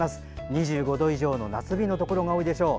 ２５度以上の夏日のところが多いでしょう。